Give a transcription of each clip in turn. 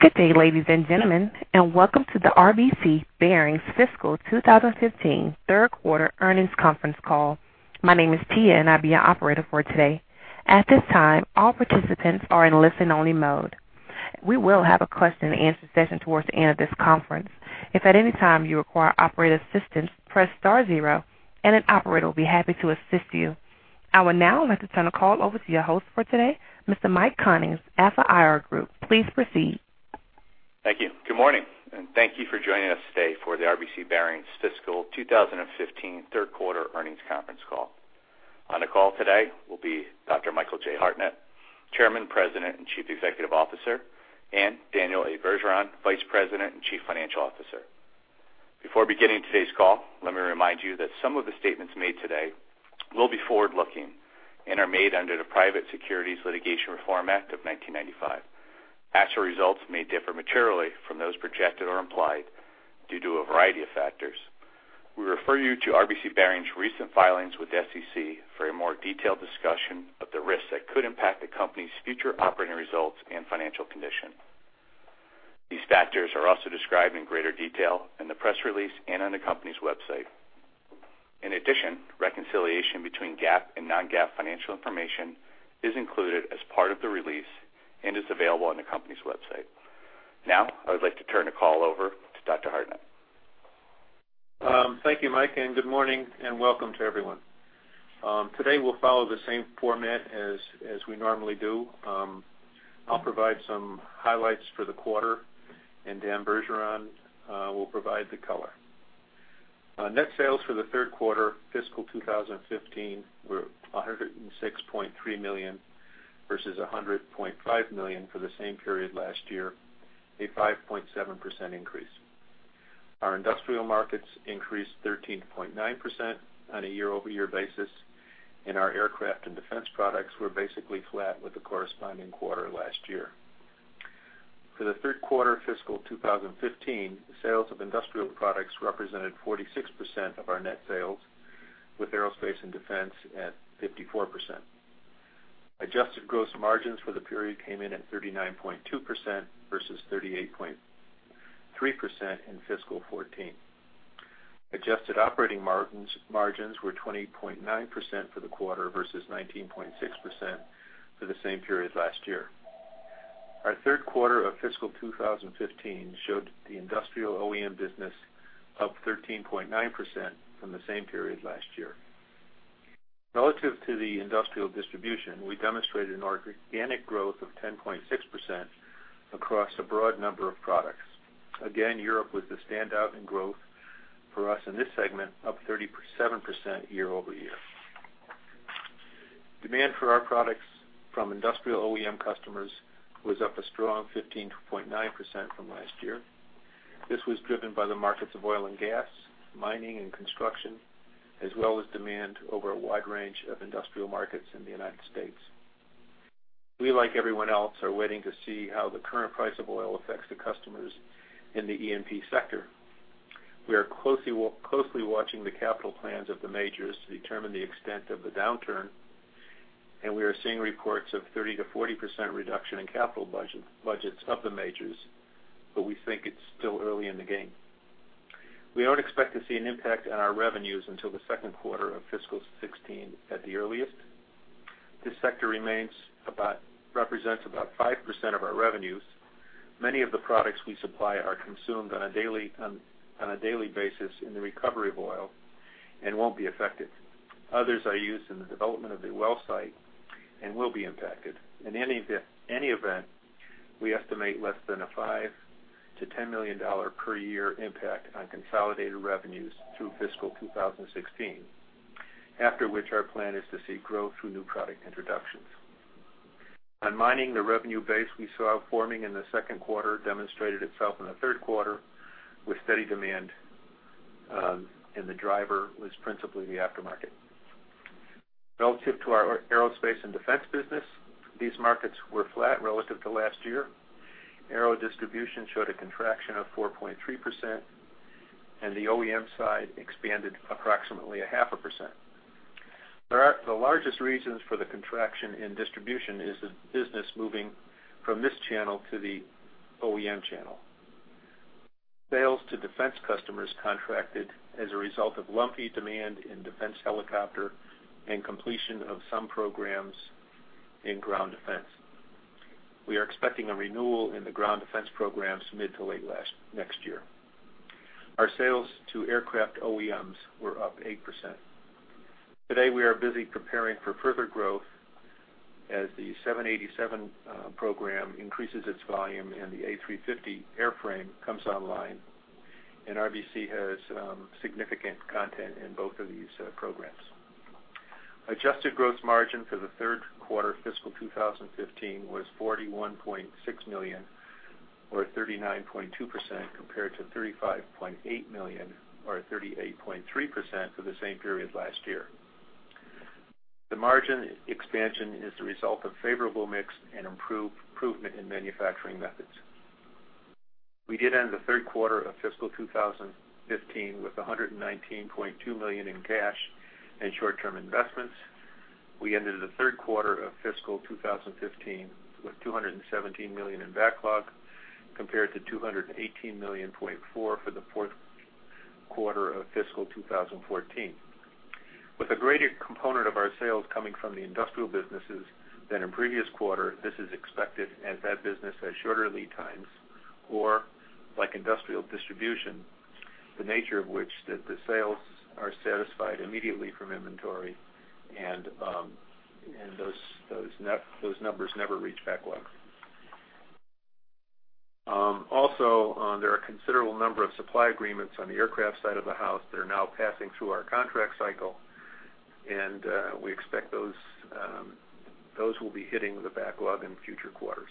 Good day, ladies and gentlemen, and welcome to the RBC Bearings Fiscal 2015 Third Quarter Earnings Conference Call. My name is Tia, and I'll be your operator for today. At this time, all participants are in listen-only mode. We will have a question-and-answer session towards the end of this conference. If at any time you require operator assistance, press star zero, and an operator will be happy to assist you. I will now like to turn the call over to your host for today, Mr. Michael Cummings at Alpha IR Group. Please proceed. Thank you. Good morning and thank you for joining us today for the RBC Bearings Fiscal 2015 Third Quarter Earnings Conference Call. On the call today will be Dr. Michael J. Hartnett, Chairman, President, and Chief Executive Officer, and Daniel Bergeron, Vice President and Chief Financial Officer. Before beginning today's call, let me remind you that some of the statements made today will be forward-looking and are made under the Private Securities Litigation Reform Act of 1995. Actual results may differ materially from those projected or implied due to a variety of factors. We refer you to RBC Bearings' recent filings with the SEC for a more detailed discussion of the risks that could impact the company's future operating results and financial condition. These factors are also described in greater detail in the press release and on the company's website.In addition, reconciliation between GAAP and non-GAAP financial information is included as part of the release and is available on the company's website. Now, I would like to turn the call over to Dr. Hartnett. Thank you, Mike, and good morning, and welcome to everyone. Today we'll follow the same format as we normally do. I'll provide some highlights for the quarter, and Dan Bergeron will provide the color. Net sales for the third quarter fiscal 2015 were $106.3 million versus $100.5 million for the same period last year, a 5.7% increase. Our industrial markets increased 13.9% on a year-over-year basis, and our aircraft and defense products were basically flat with the corresponding quarter last year. For the third quarter fiscal 2015, sales of industrial products represented 46% of our net sales, with aerospace and defense at 54%. Adjusted gross margins for the period came in at 39.2% versus 38.3% in fiscal 2014. Adjusted operating margins were 20.9% for the quarter versus 19.6% for the same period last year. Our third quarter of fiscal 2015 showed the industrial OEM business up 13.9% from the same period last year. Relative to the industrial distribution, we demonstrated an organic growth of 10.6% across a broad number of products. Again, Europe was the standout in growth for us in this segment, up 37% year-over-year. Demand for our products from industrial OEM customers was up a strong 15.9% from last year. This was driven by the markets of oil and gas, mining and construction, as well as demand over a wide range of industrial markets in the United States. We, like everyone else, are waiting to see how the current price of oil affects the customers in the E&P sector. We are closely watching the capital plans of the majors to determine the extent of the downturn, and we are seeing reports of 30% to 40% reduction in capital budgets of the majors, but we think it's still early in the game. We don't expect to see an impact on our revenues until the second quarter of fiscal 2016 at the earliest. This sector represents about 5% of our revenues. Many of the products we supply are consumed on a daily basis in the recovery of oil and won't be affected. Others are used in the development of the well site and will be impacted. In any event, we estimate less than a $5 to 10 million per year impact on consolidated revenues through fiscal 2016, after which our plan is to see growth through new product introductions. On mining, the revenue base we saw forming in the second quarter demonstrated itself in the third quarter with steady demand, and the driver was principally the aftermarket. Relative to our aerospace and defense business, these markets were flat relative to last year. Aero distribution showed a contraction of 4.3%, and the OEM side expanded approximately 0.5%. The largest reasons for the contraction in distribution is the business moving from this channel to the OEM channel. Sales to defense customers contracted as a result of lumpy demand in defense helicopter and completion of some programs in ground defense. We are expecting a renewal in the ground defense programs mid to late next year. Our sales to aircraft OEMs were up 8%. Today, we are busy preparing for further growth as the 787 program increases its volume and the A350 airframe comes online, and RBC has significant content in both of these programs. Adjusted gross margin for the third quarter fiscal 2015 was $41.6 million or 39.2% compared to $35.8 million or 38.3% for the same period last year. The margin expansion is the result of favorable mix and improvement in manufacturing methods. We did end the third quarter of fiscal 2015 with $119.2 million in cash and short-term investments. We ended the third quarter of fiscal 2015 with $217 million in backlog compared to $218.4 million for the fourth quarter of fiscal 2014. With a greater component of our sales coming from the industrial businesses than in previous quarters, this is expected as that business has shorter lead times or, like industrial distribution, the nature of which is that the sales are satisfied immediately from inventory, and those numbers never reach backlog. Also, there are a considerable number of supply agreements on the aircraft side of the house that are now passing through our contract cycle, and we expect those will be hitting the backlog in future quarters.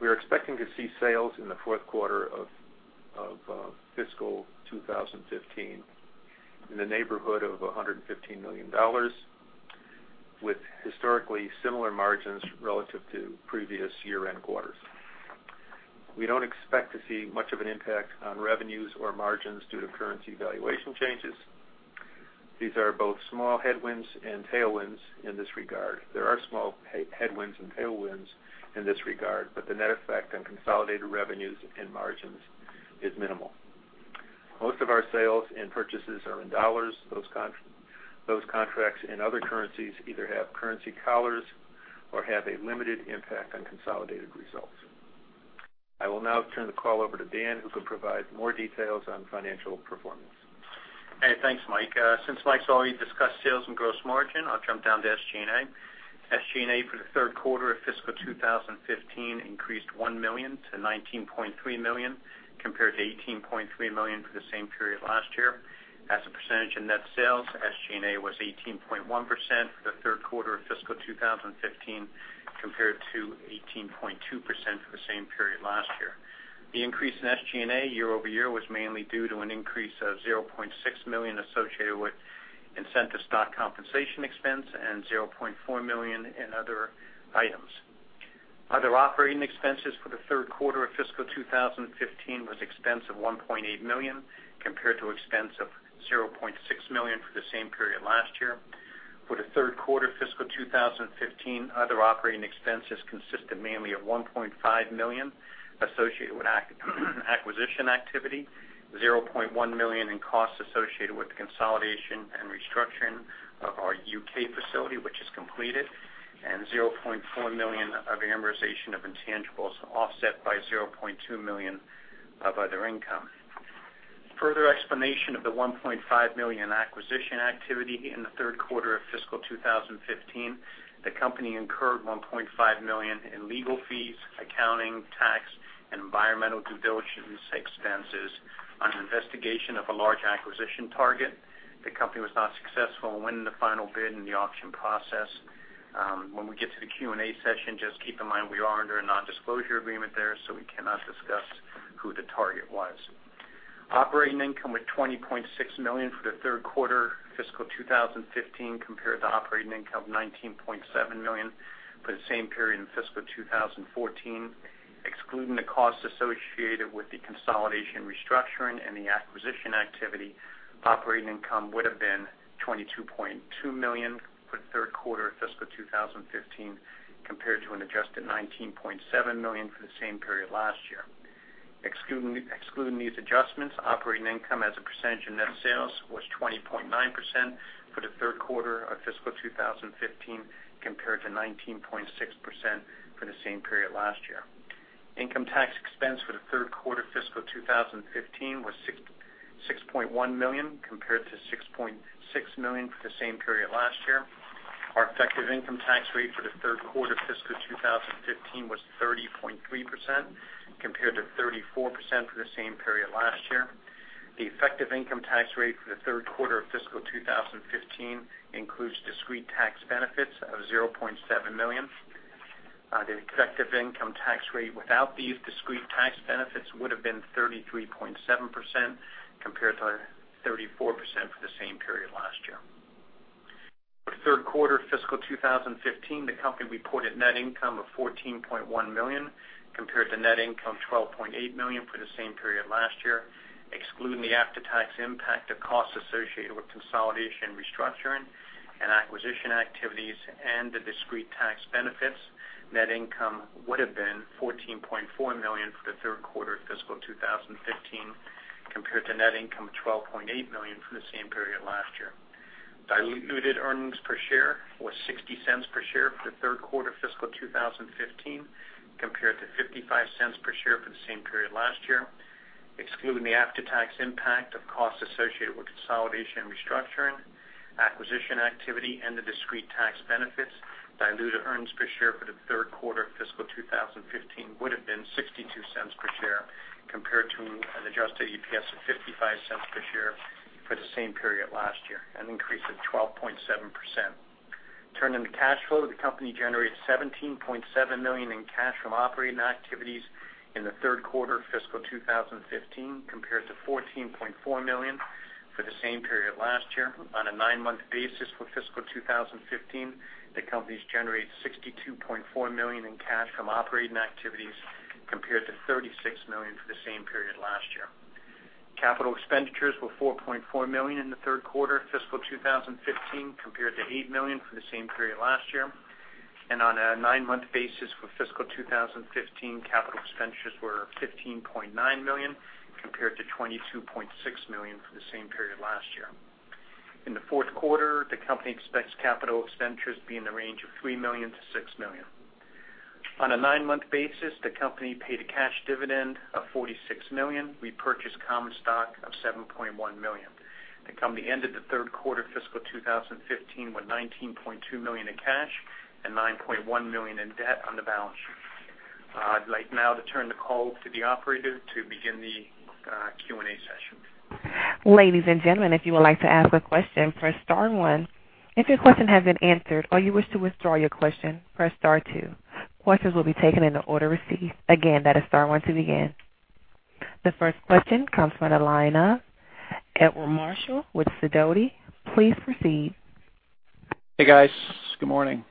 We are expecting to see sales in the fourth quarter of fiscal 2015 in the neighborhood of $115 million with historically similar margins relative to previous year-end quarters. We don't expect to see much of an impact on revenues or margins due to currency valuation changes. These are both small headwinds and tailwinds in this regard. There are small headwinds and tailwinds in this regard, but the net effect on consolidated revenues and margins is minimal. Most of our sales and purchases are in dollars. Those contracts in other currencies either have currency collars or have a limited impact on consolidated results. I will now turn the call over to Dan, who can provide more details on financial performance. Hey, thanks, Mike. Since you already discussed sales and gross margin, I'll jump down to SG&A. SG&A for the third quarter of fiscal 2015 increased $1 million to $19.3 million compared to $18.3 million for the same period last year. As a percentage of net sales, SG&A was 18.1% for the third quarter of fiscal 2015 compared to 18.2% for the same period last year. The increase in SG&A year-over-year was mainly due to an increase of $0.6 million associated with incentive stock compensation expense and $0.4 million in other items. Other operating expenses for the third quarter of fiscal 2015 were an expense of $1.8 million compared to an expense of $0.6 million for the same period last year. For the third quarter fiscal 2015, other operating expenses consisted mainly of $1.5 million associated with acquisition activity, $0.1 million in costs associated with the consolidation and restructuring of our UK facility, which is completed, and $0.4 million of amortization of intangibles offset by $0.2 million of other income. Further explanation of the $1.5 million acquisition activity in the third quarter of fiscal 2015, the company incurred $1.5 million in legal fees, accounting, tax, and environmental due diligence expenses on an investigation of a large acquisition target. The company was not successful and when the final bid in the auction process. When we get to the Q&A session, just keep in mind we are under a nondisclosure agreement there, so we cannot discuss who the target was. Operating income was $20.6 million for the third quarter fiscal 2015 compared to operating income of $19.7 million for the same period in fiscal 2014. Excluding the costs associated with the consolidation restructuring and the acquisition activity, operating income would have been $22.2 million for the third quarter of fiscal 2015 compared to an adjusted $19.7 million for the same period last year. Excluding these adjustments, operating income as a percentage of net sales was 20.9% for the third quarter of fiscal 2015 compared to 19.6% for the same period last year. Income tax expense for the third quarter fiscal 2015 was $6.1 million compared to $6.6 million for the same period last year. Our effective income tax rate for the third quarter fiscal 2015 was 30.3% compared to 34% for the same period last year. The effective income tax rate for the third quarter of fiscal 2015 includes discrete tax benefits of $0.7 million. The effective income tax rate without these discrete tax benefits would have been 33.7% compared to 34% for the same period last year. For the third quarter fiscal 2015, the company reported net income of $14.1 million compared to net income of $12.8 million for the same period last year. Excluding the after-tax impact of costs associated with consolidation restructuring and acquisition activities and the discrete tax benefits, net income would have been $14.4 million for the third quarter fiscal 2015 compared to net income of $12.8 million for the same period last year. Diluted earnings per share was $0.60 per share for the third quarter fiscal 2015 compared to $0.55 per share for the same period last year. Excluding the after-tax impact of costs associated with consolidation restructuring, acquisition activity, and the discrete tax benefits, diluted earnings per share for the third quarter fiscal 2015 would have been $0.62 per share compared to an adjusted EPS of $0.55 per share for the same period last year, an increase of 12.7%. Turning to cash flow, the company generated $17.7 million in cash from operating activities in the third quarter fiscal 2015 compared to $14.4 million for the same period last year. On a nine-month basis for fiscal 2015, the company generated $62.4 million in cash from operating activities compared to $36 million for the same period last year. Capital expenditures were $4.4 million in the third quarter fiscal 2015 compared to $8 million for the same period last year, and on a nine-month basis for fiscal 2015, capital expenditures were $15.9 million compared to $22.6 million for the same period last year. In the fourth quarter, the company expects capital expenditures to be in the range of $3 to 6 million. On a nine-month basis, the company paid a cash dividend of $46 million. We purchased common stock of $7.1 million. The company ended the third quarter fiscal 2015 with $19.2 million in cash and $9.1 million in debt on the balance sheet. I'd like now to turn the call to the operator to begin the Q&A session. Ladies and gentlemen, if you would like to ask a question, press star one. If your question hasn't been answered or you wish to withdraw your question, press star two. Questions will be taken in the order received. Again, that is star one to begin. The first question comes from analyst Edward Marshall with Sidoti. Please proceed. Hey, guys. Good morning.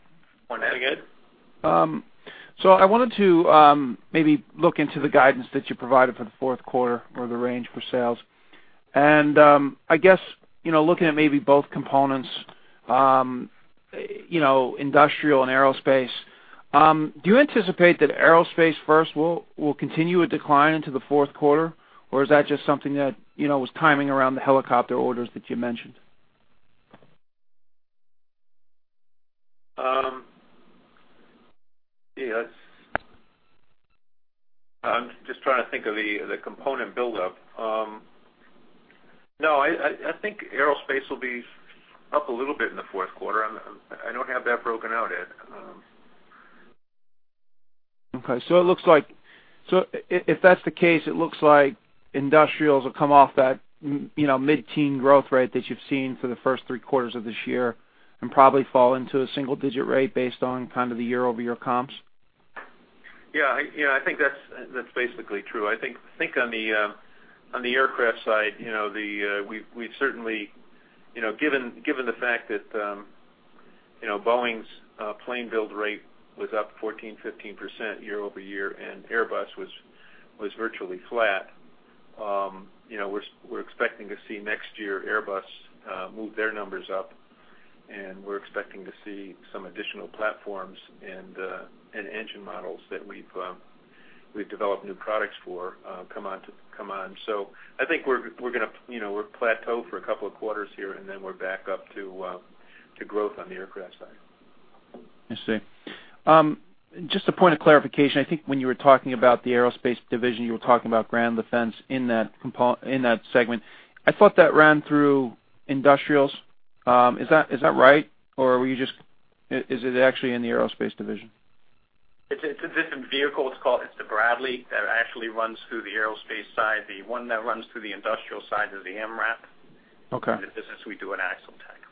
Morning. How's it going? So I wanted to maybe look into the guidance that you provided for the fourth quarter or the range for sales. And I guess looking at maybe both components, industrial and aerospace, do you anticipate that aerospace first will continue a decline into the fourth quarter, or is that just something that was timing around the helicopter orders that you mentioned? I'm just trying to think of the component buildup. No, I think aerospace will be up a little bit in the fourth quarter. I don't have that broken out yet. Okay. So, it looks like so if that's the case, it looks like industrials will come off that mid-teens growth rate that you've seen for the first three quarters of this year and probably fall into a single-digit rate based on kind of the year-over-year comps? Yeah. I think that's basically true. I think on the aircraft side, we've certainly given the fact that Boeing's plane build rate was up 14% to 15% year-over-year, and Airbus was virtually flat, we're expecting to see next year Airbus move their numbers up, and we're expecting to see some additional platforms and engine models that we've developed new products for come on. So, I think we're going to plateau for a couple of quarters here, and then we're back up to growth on the aircraft side. I see. Just a point of clarification, I think when you were talking about the aerospace division, you were talking about ground defense in that segment. I thought that ran through industrials. Is that right, or were you just is it actually in the aerospace division? It's a different vehicle. It's called Bradley that actually runs through the aerospace side. The one that runs through the industrial side is the MRAP. In the business, we do AxleTech. Okay.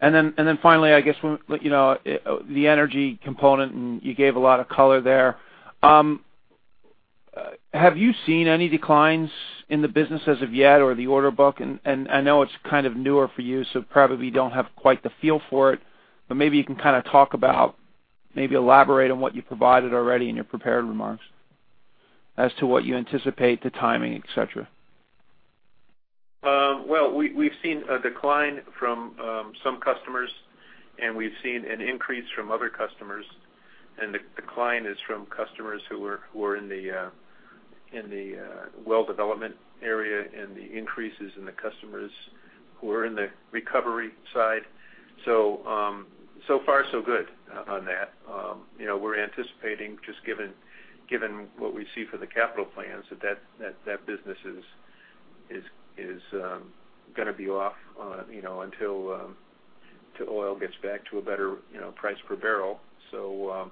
And then finally, I guess the energy component, and you gave a lot of color there. Have you seen any declines in the business as of yet or the order book? And I know it's kind of newer for you, so probably you don't have quite the feel for it, but maybe you can kind of talk about maybe elaborate on what you provided already in your prepared remarks as to what you anticipate, the timing, etc. Well, we've seen a decline from some customers, and we've seen an increase from other customers. The decline is from customers who are in the well development area, and the increase is in the customers who are in the recovery side. So far, so good on that. We're anticipating, just given what we see for the capital plans, that that business is going to be off until oil gets back to a better price per barrel. So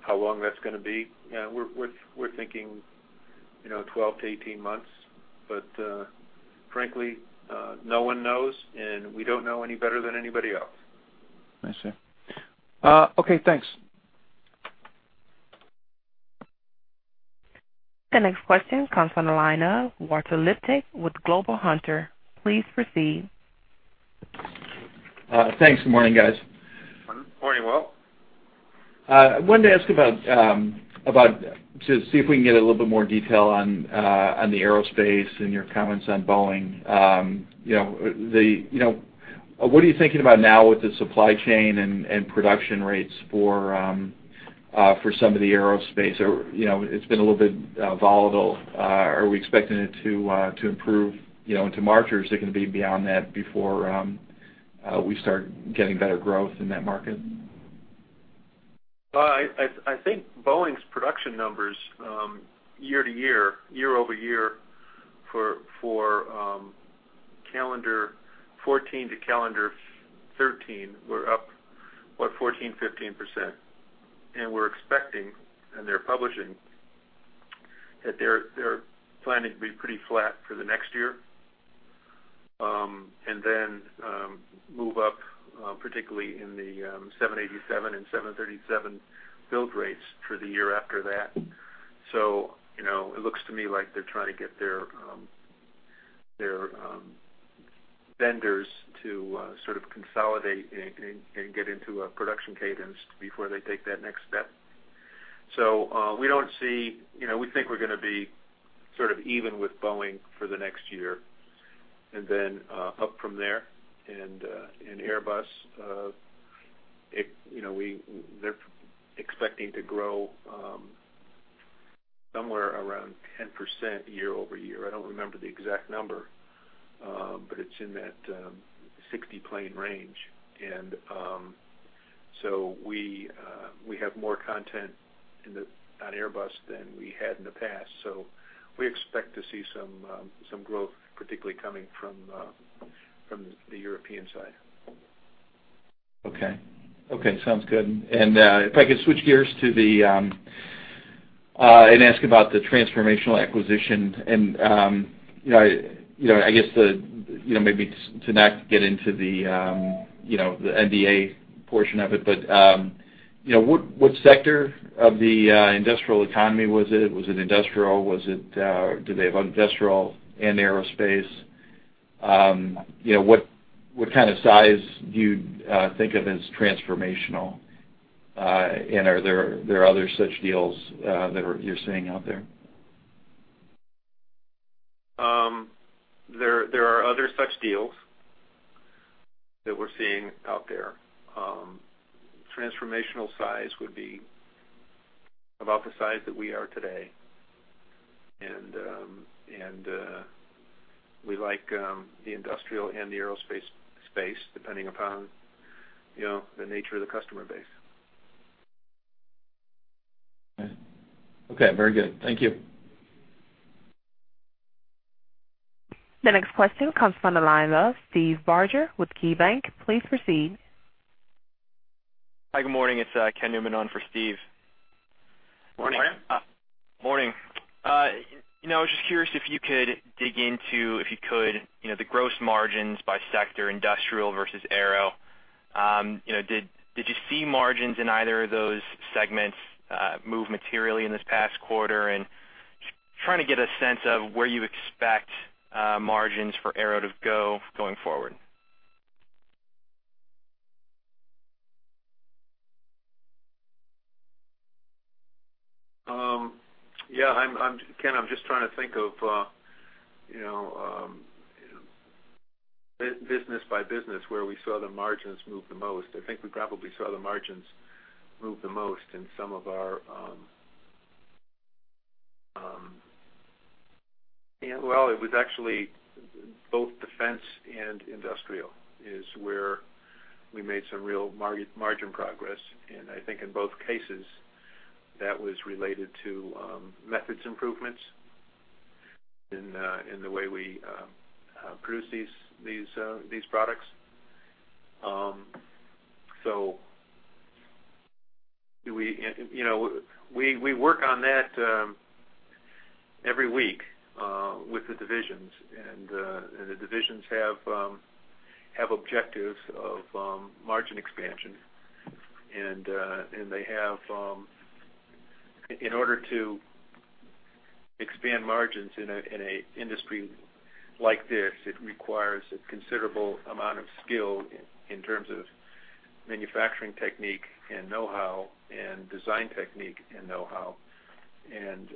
how long that's going to be, we're thinking 12-18 months. But frankly, no one knows, and we don't know any better than anybody else. I see. Okay. Thanks. The next question comes from Walter Liptak with Global Hunter. Please proceed. Thanks. Good morning, guys. Morning, Walt. I wanted to ask about, to see if we can get a little bit more detail on the aerospace and your comments on Boeing. What are you thinking about now with the supply chain and production rates for some of the aerospace? It's been a little bit volatile. Are we expecting it to improve into March? Or is it going to be beyond that before we start getting better growth in that market? I think Boeing's production numbers year-over-year for calendar 2014 to calendar 2013, we're up, what, 14% to 15%. And we're expecting, and they're publishing, that they're planning to be pretty flat for the next year and then move up, particularly in the 787 and 737 build rates for the year after that. So, it looks to me like they're trying to get their vendors to sort of consolidate and get into a production cadence before they take that next step. So, we don't see we think we're going to be sort of even with Boeing for the next year and then up from there. And Airbus, they're expecting to grow somewhere around 10% year-over-year. I don't remember the exact number, but it's in that 60-plane range. And so, we have more content on Airbus than we had in the past. So, we expect to see some growth, particularly coming from the European side. Okay. Okay. Sounds good. If I could switch gears and ask about the transformational acquisition. I guess maybe to not get into the NDA portion of it, but what sector of the industrial economy was it? Was it industrial? Do they have industrial and aerospace? What kind of size do you think of as transformational? And are there other such deals that you're seeing out there? There are other such deals that we're seeing out there. Transformational size would be about the size that we are today. We like the industrial and the aerospace space depending upon the nature of the customer base. Okay. Okay. Very good. Thank you. The next question comes from analyst Steve Barger with KeyBanc. Please proceed. Hi. Good morning. It's Ken Newman on for Steve. Morning. Morning. I was just curious if you could dig into the gross margins by sector, industrial versus aero. Did you see margins in either of those segments move materially in this past quarter? Trying to get a sense of where you expect margins for aero to go going forward. Yeah. Ken, I'm just trying to think of business by business where we saw the margins move the most. I think we probably saw the margins move the most in some of our well, it was actually both defense and industrial is where we made some real margin progress. And I think in both cases, that was related to methods improvements in the way we produce these products. So do we work on that every week with the divisions. And the divisions have objectives of margin expansion. And they have in order to expand margins in an industry like this, it requires a considerable amount of skill in terms of manufacturing technique and know-how and design technique and know-how. And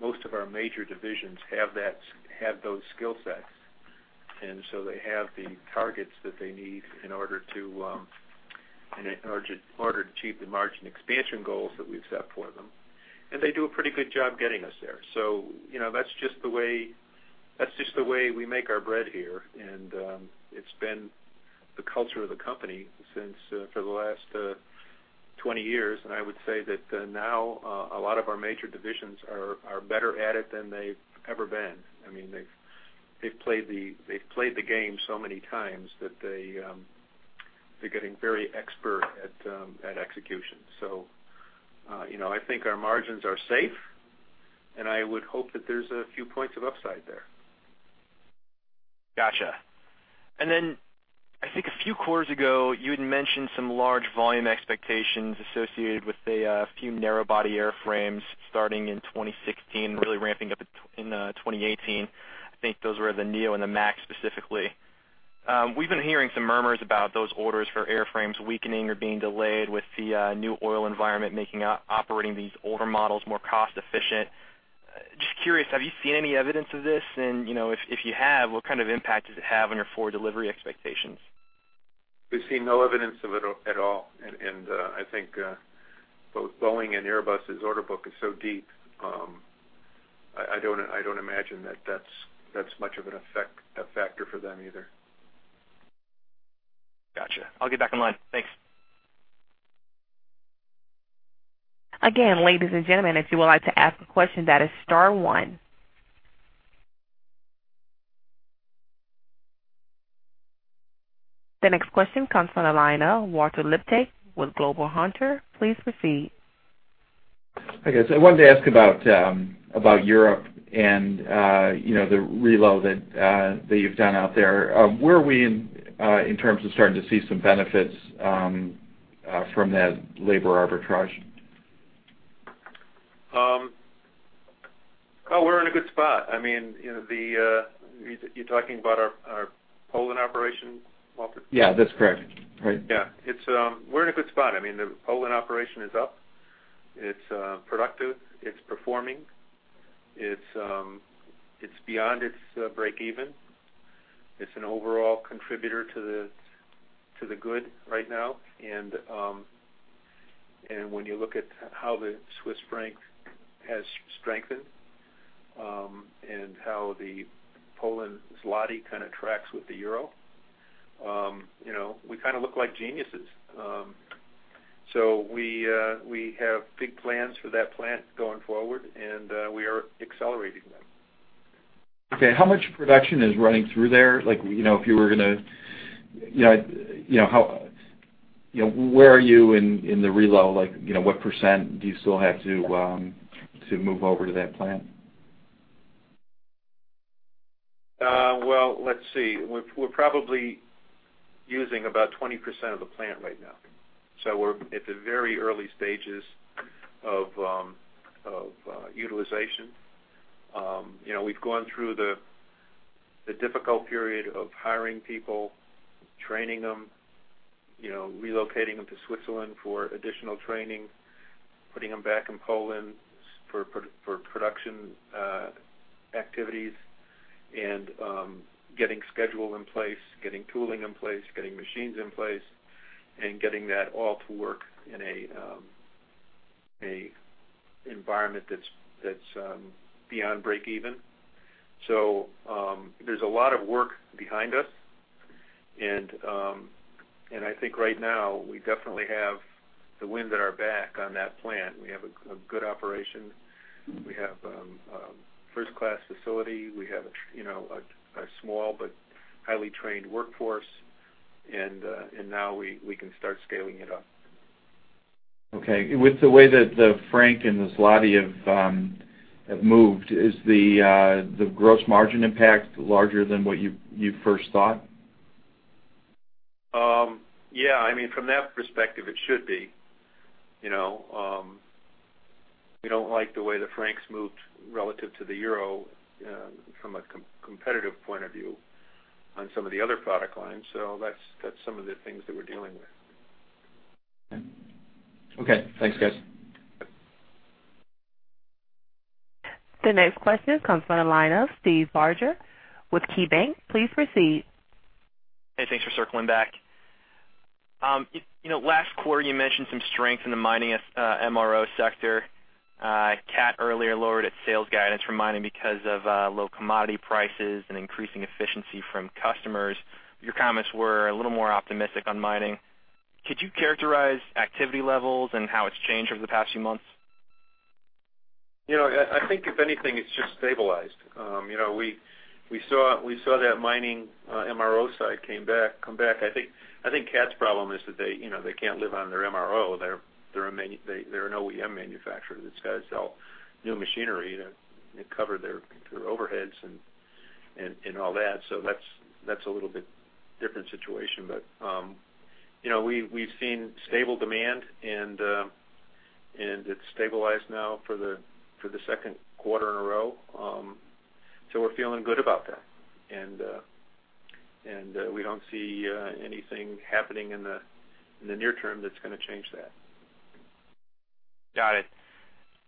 most of our major divisions have those skill sets. And so they have the targets that they need in order to in order to achieve the margin expansion goals that we've set for them. And they do a pretty good job getting us there. So that's just the way that's just the way we make our bread here. And it's been the culture of the company for the last 20 years. And I would say that now, a lot of our major divisions are better at it than they've ever been. I mean, they've played the game so many times that they're getting very expert at execution. So I think our margins are safe, and I would hope that there's a few points of upside there. Gotcha. And then I think a few quarters ago, you had mentioned some large volume expectations associated with a few narrow-body airframes starting in 2016 and really ramping up in 2018. I think those were the neo and the MAX specifically. We've been hearing some murmurs about those orders for airframes weakening or being delayed with the new oil environment making operating these older models more cost-efficient. Just curious, have you seen any evidence of this? And if you have, what kind of impact does it have on your forward delivery expectations? We've seen no evidence of it at all. I think both Boeing and Airbus' order book is so deep, I don't imagine that that's much of an effect a factor for them either. Gotcha. I'll get back online. Thanks. Again, ladies and gentlemen, if you would like to ask a question, that is star one. The next question comes from Walter Liptak with Global Hunter. Please proceed. Okay. So, I wanted to ask about Europe and the reload that you've done out there. Where are we in terms of starting to see some benefits from that labor arbitrage? Oh, we're in a good spot. I mean, you're talking about our Poland operation, Mielec? Yeah. That's correct. Right. Yeah. We're in a good spot. I mean, the Poland operation is up. It's productive. It's performing. It's beyond its break-even. It's an overall contributor to the good right now. And when you look at how the Swiss franc has strengthened and how the Polish złoty kind of tracks with the euro, we kind of look like geniuses. So, we have big plans for that plant going forward, and we are accelerating them. Okay. How much production is running through there? If you were going to where are you in the reload? What percent do you still have to move over to that plant? Well, let's see. We're probably using about 20% of the plant right now. So, we're at the very early stages of utilization. We've gone through the difficult period of hiring people, training them, relocating them to Switzerland for additional training, putting them back in Poland for production activities, and getting schedule in place, getting tooling in place, getting machines in place, and getting that all to work in an environment that's beyond break-even. So, there's a lot of work behind us. And I think right now, we definitely have the wind at our back on that plant. We have a good operation. We have a first-class facility. We have a small but highly trained workforce. And now, we can start scaling it up. Okay. With the way that the franc and the zloty have moved, is the gross margin impact larger than what you first thought? Yeah. I mean, from that perspective, it should be. We don't like the way the franc's moved relative to the euro from a competitive point of view on some of the other product lines. So that's some of the things that we're dealing with. Okay. Thanks, guys. The next question comes from analyst Steve Barger with KeyBanc Capital Markets. Please proceed. Hey. Thanks for circling back. Last quarter, you mentioned some strength in the mining MRO sector. Cat earlier lowered its sales guidance for mining because of low commodity prices and increasing efficiency from customers. Your comments were a little more optimistic on mining. Could you characterize activity levels and how it's changed over the past few months? I think if anything, it's just stabilized. We saw that mining MRO side come back. I think Cat's problem is that they can't live on their MRO. There are no OEM manufacturers. It's got to sell new machinery to cover their overheads and all that. So that's a little bit different situation. But we've seen stable demand, and it's stabilized now for the second quarter in a row. So we're feeling good about that. And we don't see anything happening in the near term that's going to change that. Got it.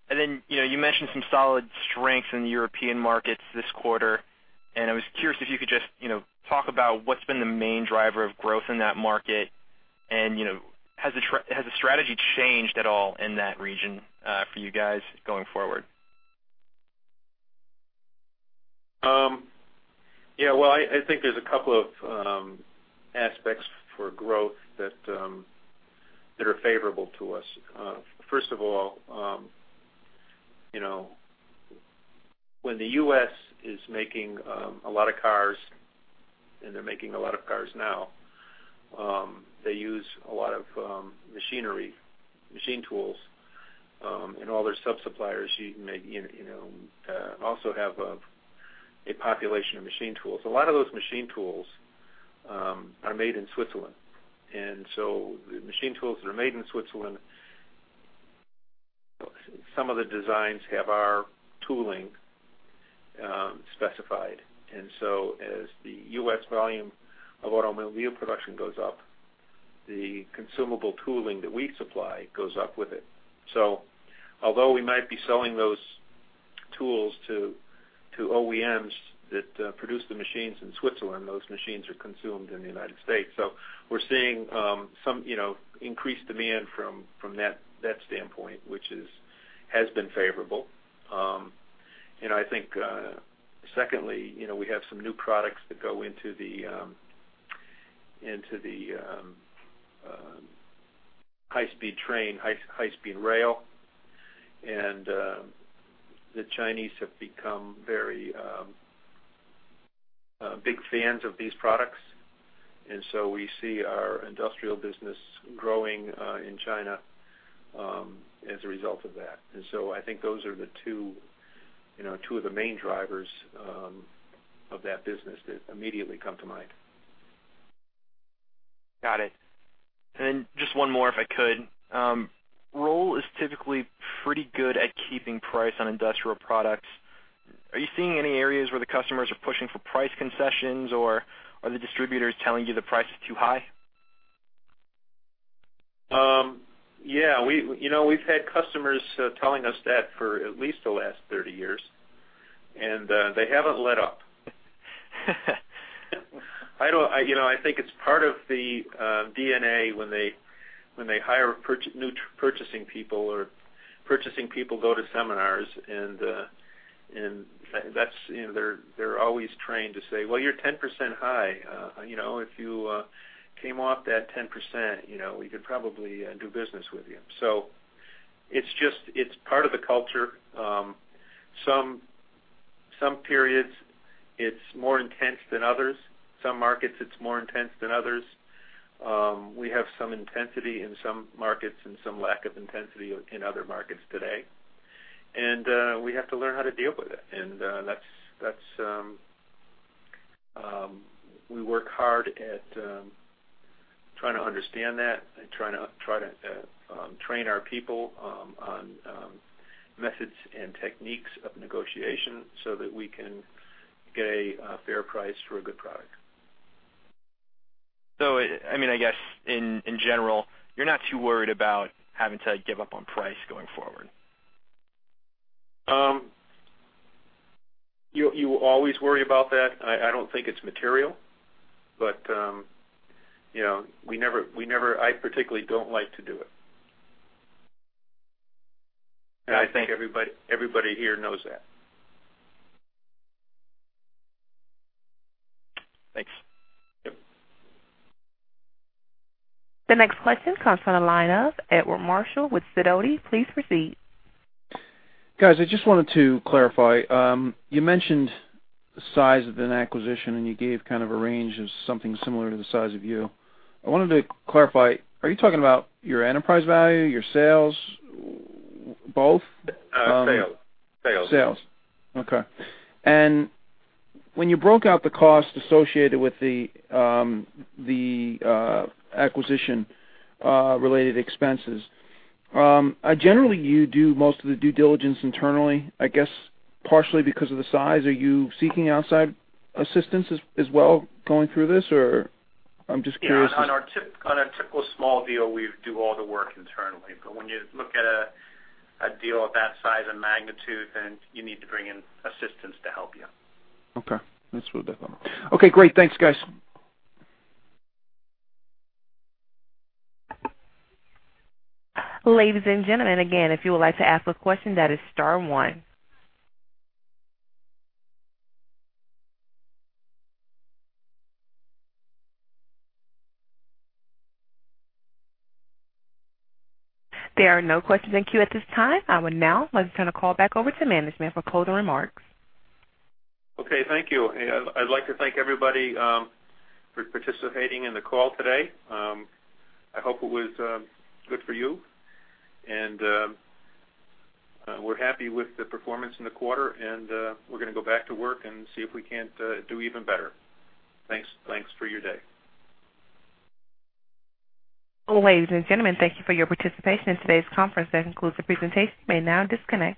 Then you mentioned some solid strengths in the European markets this quarter. I was curious if you could just talk about what's been the main driver of growth in that market. Has the strategy changed at all in that region for you guys going forward? Yeah. Well, I think there's a couple of aspects for growth that are favorable to us. First of all, when the US is making a lot of cars, and they're making a lot of cars now, they use a lot of machinery, machine tools. And all their subsuppliers also have a population of machine tools. A lot of those machine tools are made in Switzerland. And so, the machine tools that are made in Switzerland, some of the designs have our tooling specified. And so, as the US volume of automobile production goes up, the consumable tooling that we supply goes up with it. So, although we might be selling those tools to OEMs that produce the machines in Switzerland, those machines are consumed in the United States. So, we're seeing some increased demand from that standpoint, which has been favorable. And I think, secondly, we have some new products that go into the high-speed train, high-speed rail. And the Chinese have become very big fans of these products. And so, we see our industrial business growing in China as a result of that. And so, I think those are the two of the main drivers of that business that immediately come to mind. Got it. And then just one more, if I could. RBC is typically pretty good at keeping price on industrial products. Are you seeing any areas where the customers are pushing for price concessions, or are the distributors telling you the price is too high? Yeah. We've had customers telling us that for at least the last 30 years. They haven't let up. I think it's part of the DNA when they hire new purchasing people or purchasing people go to seminars. They're always trained to say, "Well, you're 10% high. If you came off that 10%, we could probably do business with you." It's part of the culture. Some periods, it's more intense than others. Some markets, it's more intense than others. We have some intensity in some markets and some lack of intensity in other markets today. We have to learn how to deal with it. We work hard at trying to understand that and try to train our people on methods and techniques of negotiation so that we can get a fair price for a good product. I mean, I guess, in general, you're not too worried about having to give up on price going forward? You always worry about that. I don't think it's material. But I particularly don't like to do it. And I think everybody here knows that. Thanks. The next question comes from Edward Marshall with Sidoti. Please proceed. Guys, I just wanted to clarify. You mentioned the size of an acquisition, and you gave kind of a range of something similar to the size of you. I wanted to clarify. Are you talking about your enterprise value, your sales, both? Sales. Sales. Sales. Okay. And when you broke out the costs associated with the acquisition-related expenses, generally, you do most of the due diligence internally, I guess, partially because of the size. Are you seeking outside assistance as well going through this? Or I'm just curious. Yeah. On a typical small deal, we do all the work internally. But when you look at a deal of that size and magnitude, then you need to bring in assistance to help you. Okay. That's really difficult. Okay. Great. Thanks, guys. Ladies and gentlemen, again, if you would like to ask a question, that is star one. There are no questions in queue at this time. I will now like to turn the call back over to management for closing remarks. Okay. Thank you. I'd like to thank everybody for participating in the call today. I hope it was good for you. We're happy with the performance in the quarter. We're going to go back to work and see if we can't do even better. Thanks for your day. Ladies and gentlemen, thank you for your participation in today's conference. That concludes the presentation. You may now disconnect.